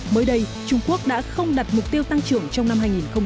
mới đây trung quốc đã không đặt mục tiêu tăng trưởng trong năm hai nghìn hai mươi